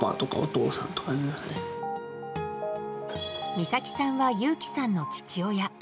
美咲さんは祐樹さんの父親。